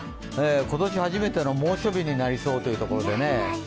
今年初めての猛暑日となりそうというところでね。